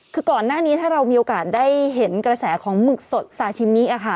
คือก่อนหน้านี้ถ้าเรามีโอกาสได้เห็นกระแสของหมึกสดซาชิมิค่ะ